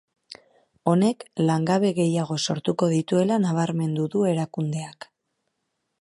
Honek, langabe gehiago sortuko dituela nabarmendu du erakundeak.